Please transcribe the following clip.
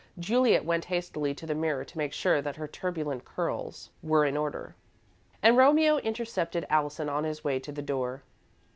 Juliet went hastily to the mirror to make sure that her turbulent curls were in order, and Romeo intercepted Allison on his way to the door.